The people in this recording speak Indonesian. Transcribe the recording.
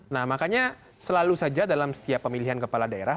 nah makanya selalu saja dalam setiap pemilihan kepala daerah